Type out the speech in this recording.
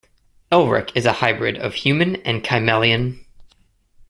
Elric is a hybrid of human and Kymellian.